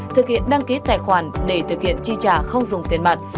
thực hiện đăng ký tài khoản để thực hiện chi trả không dùng tiền mặt